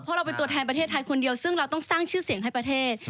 เพราะเราเป็นตัวแทนประเทศไทยคนเดียวซึ่งเราต้องสร้างชื่อเสียงให้ประเทศ